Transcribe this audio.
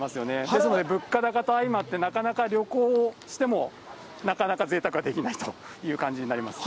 ですので物価高と相まって、なかなか旅行しても、なかなかぜいたくはできないという感じになります。